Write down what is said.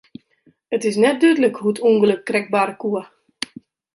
It is net dúdlik hoe't it ûngelok krekt barre koe.